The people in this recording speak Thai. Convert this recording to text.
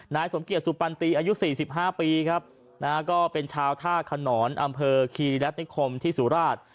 นายสมเกียจสุปันตีอายุ๔๕ปีครับนะฮะก็เป็นชาวท่าขนอนอำเภอคีรัฐนิคมที่สุราช